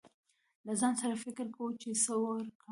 له ځان سره يې فکر کو، چې څه ورکړم.